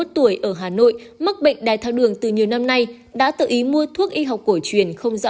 hai mươi một tuổi ở hà nội mắc bệnh đai thao đường từ nhiều năm nay đã tự ý mua thuốc y học cổ truyền không rõ